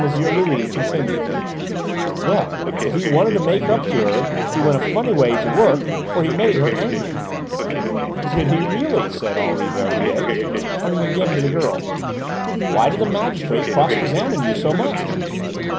Louis continued: "Well, if he wanted to make up to her he went a funny way to work, for he made her angry." "Did he really?" said Henri Verbier, turning again to the girl. "Why did the magistrate cross examine you so much?"